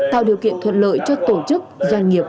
tạo điều kiện thuận lợi cho tổ chức doanh nghiệp